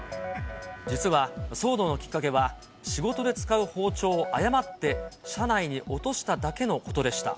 実は騒動のきっかけは、仕事で使う包丁を誤って車内に落としただけのことでした。